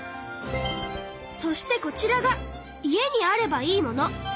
そしてこちらが家にあればいいもの。